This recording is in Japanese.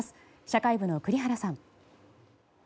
社会部の栗原さん。